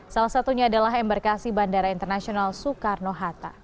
salah satunya adalah embarkasi bandara internasional soekarno hatta